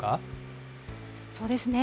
そうですね。